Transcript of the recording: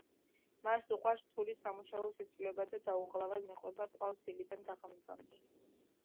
მას უყვარს რთული სამუშაოს შესრულება და დაუღალავად მიჰყვება კვალს დილიდან დაღამებამდე.